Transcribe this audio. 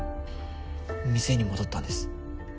店に戻ったんです。